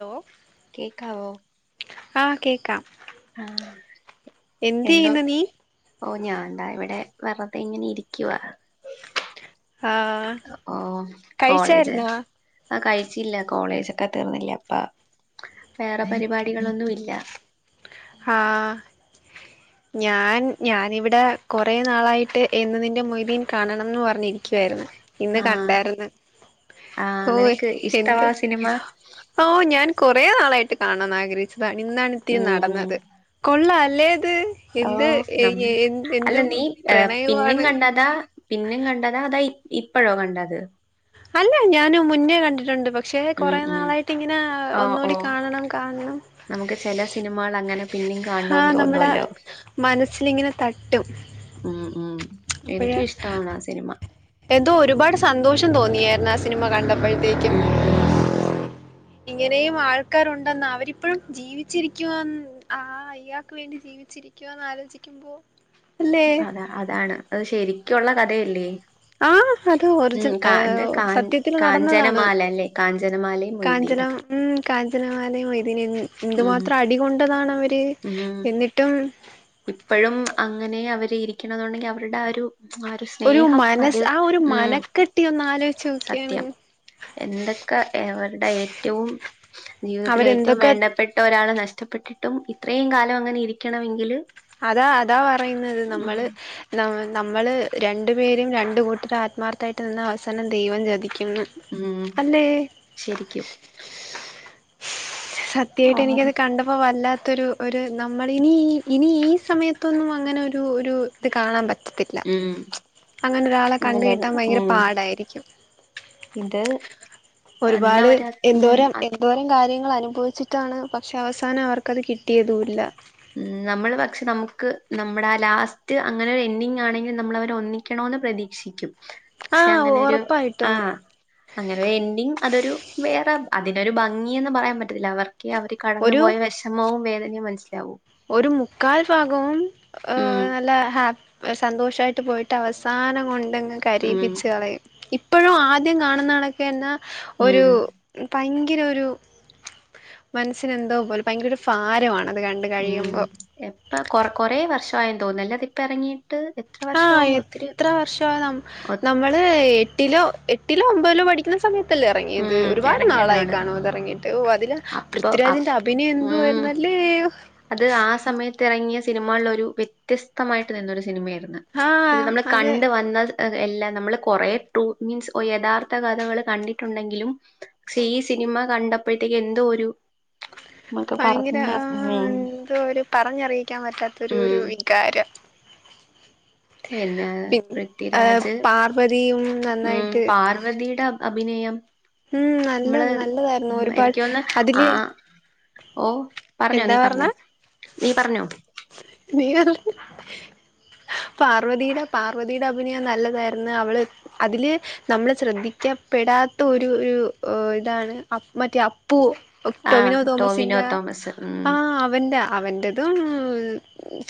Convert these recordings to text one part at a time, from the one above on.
Law കേക്കാവോ ഹാ കേക്കാം ആഹ് എന്ത് എന്തോ ചെയ്യുന്നു നീ ഓ ഞാൻതാ ഇവിടെ വെറുതെങ്ങനെ ഇരിക്കുവാ ആഹാ ഹാ ഓ കോളേജ് ആഹ് കയിച്ചില്ലേ കോളേജൊക്കെ തീർന്നില്ലേ അപ്പ വേറെ പരിപാടികളൊന്നുവില്ല ഹാ ഞാൻ ഞാനിവിടെ കൊറേ നാളായിട്ട് എന്ന് നിന്റെ മൊയ്തീൻ കാണണംന്ന് പറഞ്ഞിരിക്കുവായിരുന്നു ഇന്ന് ആഹ് കണ്ടായിര്ന്ന് ആഹ് ഹോ നിനക്ക് എന്ത്. ഇഷ്ടവാ സിനിമ ഓ ഞാൻ കൊറേ നാളായിട്ട് കാണണംന്നാഗ്രഹിച്ചതാ ഇന്നാണിത്തിരി ഉം നടന്നത് കൊള്ളാല്ലേത്. ഓ നം അല്ല നീ പിന്നിം പ്രണയവാണ് കണ്ടതാ പിന്നിം കണ്ട. ദ ദയി ഇപ്പഴോ കണ്ടത് അല്ല ഞാന് മുന്നേ കണ്ടിട്ടുണ്ട് പ ക്ഷെ ഉം കൊറേ ഉം നാളായിട്ടിങ്ങനെ ഓ ഓ ഒന്നൂടി കാണണം കാണണം നമുക്ക് ചെല സിനിമകൾ അങ്ങനെ പിന്നും ഹാ കാണണോന്ന് നമ്മടെ തോന്നുവല്ലോ മനസ്സിലിങ്ങനെ തട്ടും ഉം ഉം അപ്പഴ്, എനിക്കും ഇഷ്ടമാണ് ആ സിനിമ എന്തോ ഒരുപാട് സന്തോഷം തോന്നിയായിരുന്നു. ആ സിനിമ കണ്ടപ്പഴ് ഉം ഉം ഇങ്ങനെയും ആൾക്കാരുണ്ടെന്ന്. അവരിപ്പഴും ജീവിച്ചിരിക്കുവാ ആ അയ്യാക്ക് വേണ്ടി ജീവിച്ചി രിക്കുവാന്ന് ആലോചിക്കുമ്പോ അല്ലേ? അതാ അതാണ് അത് ശെരിക്കുള്ള കഥയല്ലേ? ആഹ് അത് ഒറിജിൻ ഉം കാ എന്ത് ഏഹ് കാ സത്യത്തിൽ നടന്നതാണ് കാഞ്ചനമാല അല്ലേ കാഞ്ചനമാലയും കാഞ്ചന മൊയ്തീനും ഉം കാഞ്ചനമാലയും മൊയ്തീനും എ ഉം എന്തുമാത്രം അടി കൊണ്ടതാണവര് ഉം എന്നിട്ടും ഇപ്പഴും അങ്ങനെ അവര് ഇരിക്കണം എന്നുണ്ടെങ്കി അവരുടെ ആ ഒരു [unintelligible] ഒരു അത് മനസ് ആ ഒരു ഉം മനക്കെട്ടി ഒന്ന് ആലോചിച്ച് നോക്കിയാണ് സത്യം എന്തൊക്കെ ഏ വരുടെ ഏറ്റവും ജീവിതത്തില് ഏറ്റവും അവരെന്തൊക്കെ വേണ്ടപ്പെട്ട ഒരാള് നഷ്ടപ്പെട്ടിട്ടും ഇത്രയും കാലം അങ്ങനെ ഇരിക്കണമെങ്കില്. അതാ അതാ പറയുന്നത് ഉം നമ്മള് നമ്മൾ രണ്ടു പേരും രണ്ട് കൂട്ടരു ആത്മാർത്ഥമായിട്ട് നിന്ന് അവസാനം ദൈവം ചതിക്കും പി ഉം അല്ലേ ശരിക്കും വൃത്തിയായിട്ട് അവര് എനിക്കത് കണ്ടപ്പോ വല്ലാത്തൊരു ഒരു നമ്മളിനി ഇനി ഈ സമയത്തൊന്നും അങ്ങനെ ഒരു ഒരു ത് കാണാൻ പ ത്തിറ്റ്ല. ഉം അങ്ങനെ ഒരാളെ ഇങ്ങനെ കണ്ടുകിട്ടാൻ ഭയങ്കര ഉം പാടായിരി ക്ക്യും. ഇത് [inaudible] ഒരുപാട് അന്നവര് ഉം എന്തോരം എ എന്തോരം കാര്യങ്ങൾ അനുഭവിച്ചിട്ടാണ് പക്ഷെ അവസാനം അവർക്കത് കിട്ടിയതല്ല ഉ നമ്മൾ പക്ഷെ നമുക്ക് നമ്മുടെ ആ ലാസ്റ്റ് അങ്ങനെ ഒരു എൻഡിങ് ആണെങ്കിലിൽ നമ്മള അവർ ഒന്നി ണന്ന് പ്രതീക്ഷിക്കും പക്ഷെ ആഹ് അങ്ങനെരു ആ ഉറപ്പായിട്ടും അങ്ങനെ ഒരു എൻഡി അതൊരു വേറെ അതിനൊരു ഭംഗിയന്ന് പറയാൻ പറ്റത്തില്ല അവർ അവർ കടന്നു ഒരു പോോയ വിഷമവും വേദനയും മനസ്സിലാവും ഒരു മുക്കാൽ ഭാഗവും ഉം. നല്ല ഹാ എ സന്തോഷായിട്ട് പോയിട്ട് അവസാനം കൊണ്ടങ്ങ് ഉം. കരീപ്പിച്ച് അളയും. ഇ ഇപ്പഴും ആദ്യം കാണുന്നണൊക്കെ എന്നാ.. ഒരു ഉം. പയങ്കര ഒരു മനസ്സിന് എന്തോ പോലെ പയങ്കര ഒരു ഫാരമാണത് കണ്ട് ഉം. കഴിയുമ്പോ എപ്പൊ കൊറ കൊറേ വർഷായെന്ന് തോന്നുന്നു അതിപ്പ ഇറങ്ങിയിട്ട് ആ, എത്ര വർഷോ നം ഒ നമ്മൾ ഏ.... എട്ടിലോ എട്ടിലോ ഒമ്പതിലോ പഠിക്കുന്ന സമയത്ത് തല്ല ഇറങ്ങിയത്. ഉം ഒരുപാട് നാളായി എറങ്ങിയതാണ്. കാണും അത് എറങ്ങിയിട്ട്. ഓ അതില് അപ്പൊ അപ് പൃഥ്വിരാജിന്റെ അഭിനയം എന്തു ഉം. വായിരുന്നു അല്ലേ? ഹൊ! അത് ആ സമയത്ത് ഇറങ്ങിയ സിനിമകളിലൊരു വ്യത്യസ്തമായിട്ട് തന്നൊരു സിനിമയായിരുന്നു. ആഹ് [inaudible] നമ്മള് അതെ കണ്ട് വന്ന [unintelligible] ഏ.. എല്ല. നമ്മള് കൊറേ ട്രൂത്ത് മീൻസ് ഒഎ യഥാർത്ഥ കഥകള് കണ്ടിട്ടുണ്ടെങ്കിലും. ക്ഷീ ഇ സിനിമ കണ്ടപ്പൊഴത്തേക്ക് എന്തോ ഒരു മക്ക ഭയങ്കര പറഞ്ഞ ആഹ് [unintelligible] എന്തോ ഒരു പറഞ്ഞറിയിക്കാൻ പറ്റാത്തൊരു ഉം ഒരു വികാരം എന്നാ പി ഏഹ് പൃഥ്വിരാജ് പാർവതിയും ഉം നന്നായിട്ട് പാർവ്വതിയുടെ അഭിനയം. ഉം നല്ല മ്മള് നല്ലതായിരുന്നു ഉം ഒരുപാട് എനിക്കോ ന്ന്ന്ന ആ. അതില് ഓ പറഞ്ഞോ എന്താ നീ പറഞ്ഞോ പറഞ്ഞെ നീ പറഞ്ഞോ [unintelligible] പാർവതിയുടെ, പാർവതിയുടെ അഭിനയം നല്ലതായിരുന്നു അവള്. അതില് നമ്മള് ശ്രദ്ധിക്കപ്പെടാത്ത ഒരു ഇതാണ് മറ്റേ പ്പൂ ആഹ് ടൊമിനോ ടോവിനോ തോമസിന്റെ തോമസ് ഉം ആ അവൻ്റെ. അവൻ്റെതും.....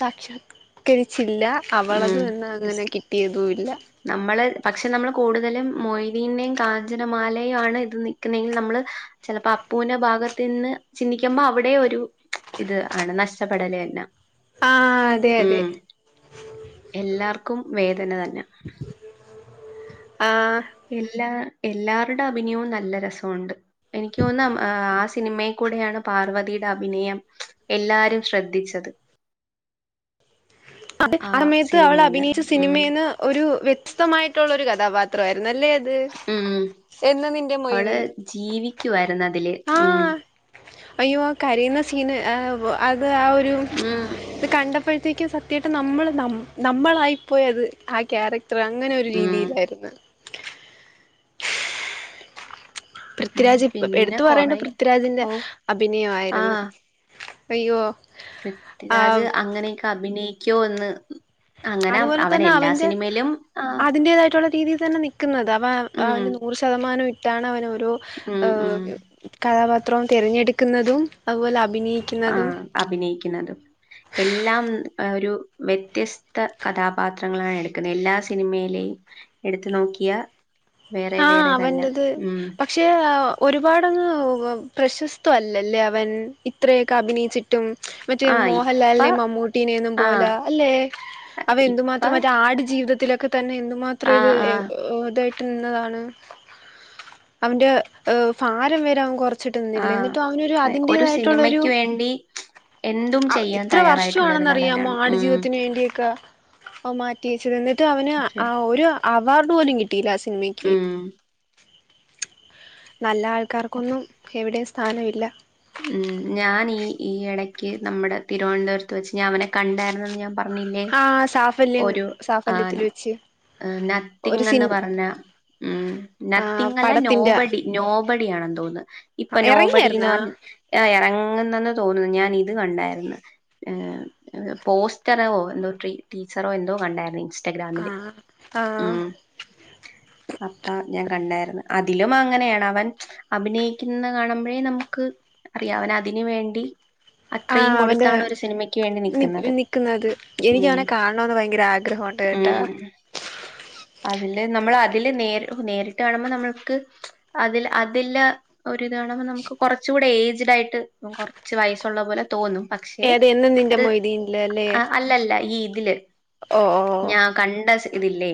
സാക്ഷാൽകരിച്ചില്ല. അവളത് എന്നന്ന ഉം അങ്ങനെ കിട്ടിയതും ഇല്ല നമ്മള് പക്ഷെ നമ്മള് കൂടുതലും മൊയ്തീനേയും കാഞ്ചനമാലയും ആണ് ഇത് നക്കുന്നെങ്കിൽ നമ്മള് ചെലപ്പോ അപ്പൂന്റെ ഭാഗത്തീന്ന് ചിന്തിക്കുമ്പൊ അവിടേ ഒരു. ഇത് ആണ് നഷ്ടപ്പെടല തന്നെ ആ അതെ അതെ ഉം എല്ലാർക്കും വേദന തന്നെ ആഹ എല്ലാ എല്ലാവരുടെ അഭിനയവും നല്ല രസമുണ്ട് എനിക്ക് തോന്നുന്ന അം ആ.... സിനിമയിൽ കൂടെയാണ് പാർവതിയുടെ അഭിനയം എല്ലാരും ശ്രദ്ധിച്ചത്. അത് ആ സമയത്ത് അവൾ സിനിമേന്ന്. അഭിനയിച്ച ഉം സിനിമേന്ന് ഒരു വ്യ സ്തമായിട്ടുള്ള ഒരു കഥാപാത്രായിരുന്നു അല്ലേ അത്?. ഉം എന്ന നിന്റെ അവള് മൊയ്തി ജീവിക്കുവായിരുന്നു അതില് ഉം ആഹ് അയ്യോ ആഹ് കരയുന്ന സീന് അത് ആ ഒരു ഉം ഇത് കണ്ടപ്പോഴത്തേക്കും സത്യമായിട്ട് നമ്മൾ നമ്മ് നമ്മളായിപ്പോയത് ആ ക്യാരക്ട അത്ര അങ്ങനെ ഒരു ഉം രീതിയിലായിരുന്ന് ഉം പൃഥ്വിരാജ് ഇപ്പ പിന്നെ എടുത്തു പറയേണ്ട കൊറേ പൃഥ്വിരാജിന്റെ ഓഹ് അഭിനയായിരുന്നു ആഹ് അയ്യോ പൃഥ്വിരാജ് അങ്ങനെയൊക്കെ അഭിനയിക്കോ എന്ന് അങ്ങനെ അതുപോലെ അവൻ തന്നെ എല്ലാ അവന്റെ സിനിമയിലും ആഹ് അതിന്റേതായിട്ടുള്ള രീതിയിൽ തന്നെ നിക്കുന്നതാ അവ ഉം അവന്റെ നൂറ് ശ ശതമാനം ഇട്ടാണ് അവനോരോ ഉം ഉം കഥാപാത്രം തിരഞ്ഞെടുക്കുന്നതും അതുപോലെ അഭിനയിക്കു ആഹ് അഭിനയിക്കുന്നതും എല്ലാം ഒരു വ്യത്യസ്ത കഥാപാത്രങ്ങളാണ് എടുക്കുന്നത് എല്ലാ സിനിമയിലെയും എടുത്തു നോക്കിയാ വേറെ ആഹ് വേറെ തന്ന അവന്റത് ഉം. പക്ഷെ ഒരുപാടങ്ങ് പ്രശസ്ത അല്ലല്ലേ അവൻ ഇത്രയൊക്കെ അഭിനയിച്ചിട്ട് റ്റും മറ്റേ ആഹ് ഇപ്പ മോഹൻലാലിനെയും മമ്മൂട്ടീനെയൊന്നും പോലെ ആഹ് അല്ലെ അവ ഇപ്പ എന്തുമാത്രം മറ്റെ ആട് ജീവിതത്തിലൊക്കെ തന്നെ എന്തുമാത്രം ഇത് ആഹ് ആഹ് [unintelligible] അതാണ് അവന്റെ ഭാരം വരെ അവൻ കൊറ ച്ചിട്ടിനിന്നില്ലേ എന്നിട്ട് അവനൊരു ആഹ് ഒരു അതിന്റേതായിട്ടുള്ളൊരു സിനിമയ്ക്ക് വേണ്ടി എന്തും ചെയ്യാൻ ഇത്ര തയ്യാറായിട്ടുള്ള ഒരു വർഷാണെന്നറിയാമോ നടനാണ് ആടു ഉം ജീവിതത്തിന് വേണ്ടിയൊക്കെ ഓ മാറ്റിവെച്ചത ന്നിട്ട് അവന് ആ ശരി. ഒരു അ അവാർഡ് പോലും കിട്ടിയില്ല ആഹ് സിനിമക്ക് ഉം നല്ല ആൾ ക്കാർക്കൊന്നും എവിടെയും സ്ഥാനമില്ല ഉം ഞാൻ ഈ ഈ ഇടക്ക് നമ്മുടെ തിരുവനന്തപുരത്ത് വച്ച് ഞാൻ അവനെ കണ്ടായിരുന്നു ഞാൻ പറഞ്ഞില്ലേ ആ സാഫല്യം ഒരു ആ സാഫല്യത്തിൽ വെച്ച് ഒരു നത്തിങ് സിൻ എന്ന് പറഞ്ഞാ ഉം ആ നത്തിങ്ങല്ല പടത്തിന്റെ നോബടി നോബടിയണ തോന്നുന്നത് ഇപ്പൊ നോബടി എന്ന് ഇറങ്ങിയായിരുന്നാ പറഞ്ഞ ആ ഇറങ്ങുന്നെന്ന് തോന്നുന്നു ഞാൻ ഇത് കണ്ടായിരുന്ന് ആഹ് പോസ്റ്ററോ എന്തോ ട്രീ ടീസ്സറോ എന്തോ കണ്ടായിരുന്നു ഇൻസ് ആ റ്റഗ്രാമില് ആ ഉം. അപ്പ ഞാൻ കണ്ടായിരുന്നു അതിലും അങ്ങനെയാണ് അവൻ അഭിനയിക്കുന്നത് കാണുമ്പോഴേ നമുക്ക് അറിയാം അവൻ അതിന് വേണ്ടി ആ അത്രയും അവന്റെ കൊടുത്താണ് ഒരു സിനിമക്ക് വേണ്ടി നി നിക്കുന്നത് നിക്കുന്നത് എനിക്ക് ഉം അവനെ കാണണന്ന് ഭയങ്കര ആഗ്രഹമുണ്ട് കേട്ടാ ഉം അതില് നമ്മൾ അതില് നേരി നേരിട്ട് കാണുമ്പോൾ നമ്മൾക്ക് അതില് അതില് ഒരു ഇത് കാണുമ്പോ നമുക്ക് കുറച്ച കൂടെ ഏ ഏയ്ജ്ഡ് ആയിട്ട് കുറച്ച് വയസുള്ള പോലെ തോന്നും പക്ഷെ ഏത് എന്നും നിന്റെ അത് മൊയ്തീനില് അല്ലേ അല്ലല്ല ഈ ഇതില് ഓ ഓ ഞാൻ കണ്ട സി ഇതില്ലേ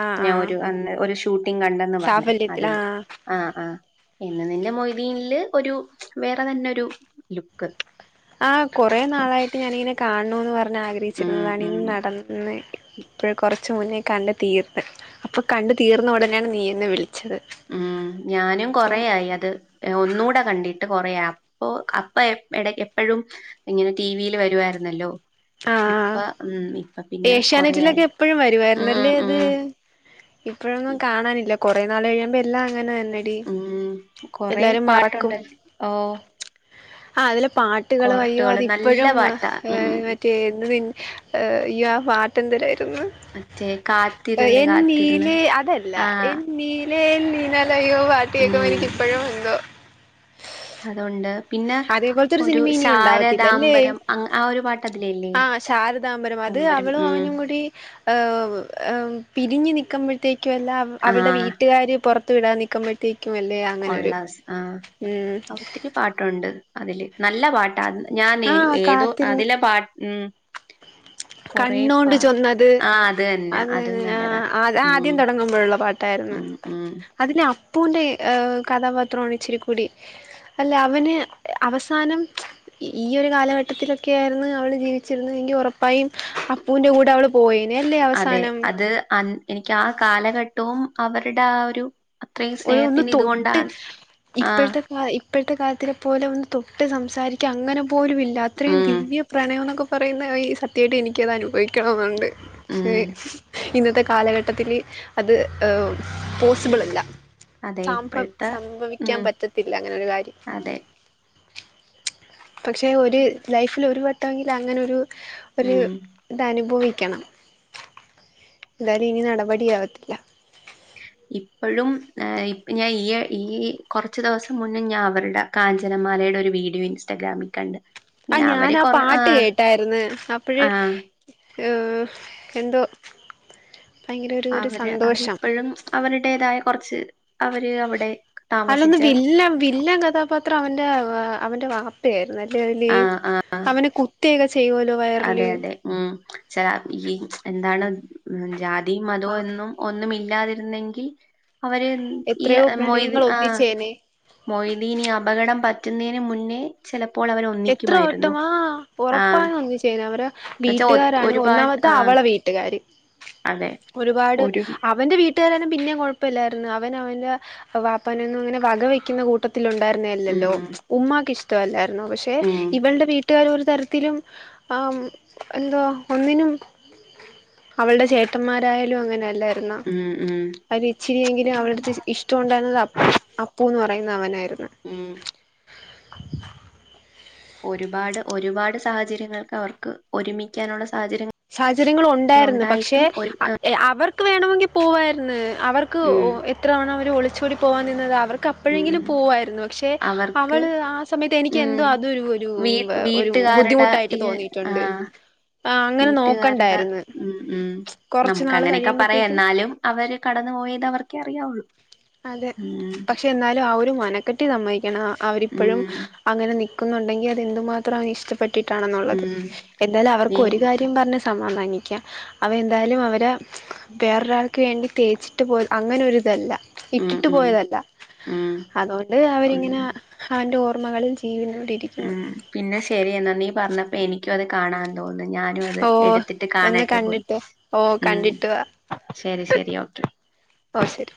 ആ ആ ഞാൻ ഒരു ഒരു ഷൂട്ടിങ് കണ്ടന്ന് പറഞ്ഞ് സാഫല്യത്തിൽ അതിൽ ആ ആഹ് ആഹ് എന്ന് നിന്റെ മൊയ്തീനില് ഒരു വേറെ തന്നെ ഒരു ലുക്ക് ആ കുറെേ നാളായിട്ട് ഞാനിങ്ങനെ കാൻണൊന്ന് പറഞ് ഉം ആഗ്രഹിച്ചിരുന്നതാണ് ഇന്ന് ഉം നടന്ന് ഇപ്പോഴ കുറച്ചു മുന്നേ കണ്ട് തീർത്ത് അപ്പൊ കണ്ട് തീർന്ന ഉടനെയാണ് നീ എന്നെ വിളിച്ചത്. ഉം ഞാനും കൊറയായി അത് ഒന്നുകൂടെ കണ്ടിട്ട് കൊറയാ അപ്പൊ അപ്പൊ എ എടക്ക് എപ്പോഴും ഇങ്ങനെ ടിവിൽ വരുവായിരുന്നല്ലോ? ഇപ്പ ആഹ് ഉം ഇപ്പ പിന്നെ കൊറയായി ഏഷ്യാനെറ്റിലൊക്കെ എപ്പഴും ഉം ഉം ഇപ്പോഴൊന്നും ഇ- കാണാലില്ല കുറേ നാൾ കഴിയുമ്പോ എല്ലാം അങ്ങനെ തന്നെ. ടി ഉം കൊറേ എല്ലാരും മറക്കും പാട്ടുണ്ടല്ലോ. ഓഹ് ആ അതിലെ പാട്ട് പാട്ടുകൾ അയ്യോ കൊറോട്ടുകള് നല്ല അതിപ്പോഴും പാട്ടാ. ആഹ് ഉം എന്ന് നി ഈ അയ്യാ പാട്ട് എന്തേലായിരുന്നു? മറ്റേ കാത്തിരുന്ന് കാത്തിരുന്ന് എന്നീലെ അതല്ല ആഹ് എന്നീലേ എല്ലിന്നാൽ അയ്യോ കേക്കുമ്പോ ഉം എനിക്കിപ്പഴും എന്തോ. അതൊണ്ട് പിന്നെ അതേപോലത്തെ ഒരു സിനിമ ഇനി ശാരതാംബരം അങ്ങ് ആ ഒരു പാ ആ ശാരദാംബരം അത് അവളും ഉം അവനും കൂടി, ഏഹ് എമ് പിരിഞ്ഞു നിൽക്കുമ്പോഴത്തേക്കു എല്ലാം അവൾടെ ആഹ് വീട്ടുകാര് പുറത്ത്, വിടാൻനിക്കുമ്പഴത്തെക്കും അല്ലയാ, കൊള്ളാസ് ആ ഒത്തിരി പാട്ടുണ്ട് അതില് നല്ല പാട്ടാന്ന്‌. ഞാനേ ആഹ് ഏതോ കാത്തിരുന്നു അതിലെ പാ ഉം. കൊറെ പ കണ്ണോണ്ട് ചൊന്നത് ആഹ അത് തന്നെ അത് അതും നല്ലതാ അത് ഉം ആദ്യം തുടങ്ങുമ്പോഴുള്ള പാട്ടായിരുന്നു ഉം. ഉം. അതിലെ അപ്പൂന്റെ ഏഹ് കഥാപാത്രമാണ് ഇച്ചിരിക്കൂടി അല്ല അവന് അവസാനം. ഈ ഒരു കാലഘട്ടത്തിലൊക്കെയായിരുന്നു അവള് ജീവിക്ക ളിച്ചിരുന്നു എങ്കി ഉറപ്പായും അപ്പൂവിന്റെ കൂടെ അവള് പോയേനെ അല്ലേ അവസാനം. ത് [unintelligible] എനിക്ക് ആ കാലഘട്ടവും അവരുടെ ആ ഒരു അത്രയും ഒരു ഒന്ന് സ്നേഹത്തിന്റെ തൊട്ട് ഇതുകൊണ്ടാണ് ആ. ഇപ്പോഴത്തെ ഇപ്പോഴത്തെ കാലത്തിലെ പോലും ഒന്ന് തൊട്ട് സംസാരിക്ക എക്ക് അങ്ങനെ പോലുമില്ല. അത്രയും ഉം. ദിവ്യ പ്രണയം എന്നൊക്കെ പറയുന്ന ഈ സത്യമായിട്ട് എനിക്കത് അനുഭവി ക്കണം എന്നുണ്ട് ശ ഉം. ഇന്നത്തെ കാലഘട്ടത്തില് അത് പോസിബളല്ല. അതെ സാംഭ ഇപ്പഴത്തെ സംഭവിക്കാൻ ഉം. പറ്റത്തില്ല അങ്ങനെ ഒരു കാര്യം. അതെ. പക്ഷെ ഒരു ലൈഫിൽ ഒരു വട്ടവെങ്കില് അങ്ങനെ ഒരു ഒരു ഉം. ഇതനുഭവിക്കണം എന്തായാലും ഇനി നടപടിയാവത്തില്ല. ഇപ്പഴും ഏഹ് ഞാൻ ഈ ഈ കുറച്ച് ദിവസം മുന്നേ ഞാൻ അവരട, കാഞ്ചനമാലയുടെ ഒരു വീഡിയോ ഇൻസ്റ്റാഗ്രാമിൽ കണ്ട്. ആ ഇങ്ങനെ അവര് ഞാനാ കൊറേ പാട്ട് ആഹ്. കേട്ടായിര്ന്ന്. അപ്പഴെ, ആഹ്. ഏഹ് എന്തോ ഭയങ്കര ഒരു ഒരു അവര് സന്തോഷം. അവരിപ്പഴും അവരുടേതായ കുറച്ച് അവര് അവിടെ, അല്ലന്ന് താമസിച്ച വില്ല വില്ലൻ കഥാപാത്രം അവന്റെ അവന്റെ വാ [unintelligible] അല്ലെ. ആഹ് ആഹ് അവനെ കുത്തേക്കെ ചെയ് [unintelligible] അതെ അതെ ഉം ചില ഈ എന്താണ് ഉ ജാതി ആ മതവും എന്നും, ഒന്നു മില്ലാതിരുന്നെങ്കിൽ അവര് എന്ത്‌ ഈ എത്രയോ മൊയ്തി പ്രണയങ്ങൾ ആ. ഒന്നിച്ചേനെ മൊയ്തീനി അപകടം പറ്റുന്നേന് മുന്നേ. ചിലപ്പോൾ അവര് എത്ര ഒന്നിക്കുമായിരുന്നു. വട്ടമാ ആഹ് ഉറപ്പാണ് ഒന്നിച്ചേര അവര എന്നുവെച്ചാ ഒ വീട്ടുകാരാണ് ഒരുപാട് ഒന്നാമത്. താ ആഹ് അവളെ വീട്ടുകാര് അതെ ഒരുപാട് ഒരു അപ് അവന്റെ വീട്ടുകാര് ആരും പിന്നെ കുഴപ്പമില്ലായിരുന്നു. അവൻ അവന്റെ വാപ്പനൊന്നും അങ്ങനെ വക വെക്കുന്ന കൂട്ടത്തി ത്തിലുണ്ടായിരുന്ന ഉം അല്ലല്ലോ. ഉമ്മാക്ക് ഇഷ്ടമല്ലായിരുന്നോ പക്ഷെ ഉം ഇവളുടെ വീട്ടി വീട്ടുകാരൊരു തരത്തിലും ആം എന്തോ ഒന്നിനും, അവൾടെ ചേട്ടന്മാരായാലും അങ്ങനെ അല്ലായിരൂന്നോ. ഉം ഉം. അതിൽ ഇച്ചിരിയെങ്കിലും അവൾടടുത്ത് ഇഷ്ടം ഉണ്ടായിരുന്നത് അപ്പു. അപ്പൂന്ന് പറയുന്ന അവനായിരുന്നു. ഉം. ഒരുപാട് ഒരുപാട് സാഹചര്യങ്ങൾക്ക് അവർക്ക് ഒരുമിക്കാനുള്ള സാഹചര്യങ്ങ സാഹചര്യങ്ങൾ ഒണ്ടായിരുന്നു, പക്ഷെ അവർക്ക് വേണമെങ്കിൽ പോവായിരുന്നു. അവർ ക്ക്‌ ഉം എത്ര തവണ അവർ ഒളിച്ചോടി പോവാൻ നിന്നതാ. അവർക്ക് ഉം എപ്പോഴെങ്കിലും പോവായിരുന്നു. പക്ഷെ അവർക്ക് അവള് ആ സമയത്ത്, എനിക്ക് എന്തോ ഉം അതൊ ഒരു ഒരു വീ വ ഒരു വീട്ടുകാരുടെ ഈ ബുദ്ധിമുട്ടായിട്ട് തോന്നിയിട്ടുണ്ട്. ആഹ് ആ പ് വീട്ടുകാരുടെ ഉം ഉം കൊറച്ചു നമുക്ക് നാള് അങ്ങനെയൊക്കെ പറയാ. കഴിയുമ്പോഴത്തേക്കും എന്നാലും, അവര് കടന്നു പോയത് അവർക്കെ അറിയാവുള്ളൂ. അതെ. ഉം പക്ഷെ എന്നാലും ആ ഒരു മനക്കെട്ടി സമ്മതിക്കണം. അവരിപ്പോഴും ഉം അങ്ങനെ നി ക്കുന്നുണ്ടെങ്കി അത് എന്തുമാത്രം അവനി ഇഷ്ടപ്പെ ട്ടാ ണെന്നുള്ളത് ഉം എന്തായാലും നീ അവർക്കൊരു കാര്യം പറഞ്ഞ് സമാധാനിക്കാം അവൻ എന്തായാലും അവരെ വേറൊരാൾക്ക് വേണ്ടി തേച്ചിട്ട് പോയി അങ്ങനൊരിതല്ല ഉം ഇട്ടിട്ട് ഉം പോയതല്ല ഉം അതുകൊണ്ട് ഉം അവരിങ്ങനെ അവന്റെ ഓർമ്മകളിൽ ജീവനോടി ഉം പിന്നെ ശരി എന്നാ നീ പറഞ്ഞപ്പോ എനിക്കത് കാണാൻ തോന്നുന്നു ഞാനും അത് ഓ എടുത്തിട്ട് ഒന്ന് കാണട്ട് പോയി കണ്ടിട്ട് ഓ ഉം കണ്ടിട്ട് വാ ശരി ശരി ഒക്കെ ഓ ശരി